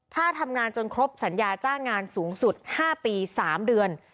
ถ้าทำงานจนครบสัญญาจ้างงานสูงสุด๕ปี๓เดือน